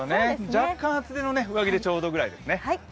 若干、厚手の上着でちょうどいいぐらいですね。